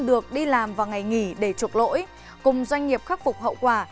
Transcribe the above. công nhân chủ động làm vào ngày nghỉ để trục lỗi cùng doanh nghiệp khắc phục hậu quả